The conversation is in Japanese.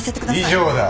以上だ。